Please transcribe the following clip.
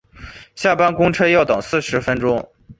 下班公车要等四十分钟